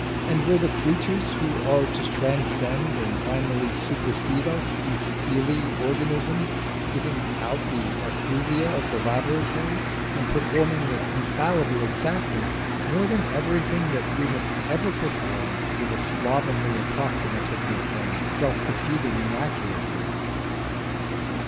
and will the creatures who are to transcend and finally supersede us be steely organisms, giving out the effluvia of the laboratory, and performing with infallible exactness more than everything that we have performed with a slovenly approximativeness and self defeating inaccuracy?"